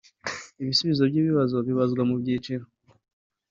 Ibisubizo by’ibibazo bibazwa mu byiciro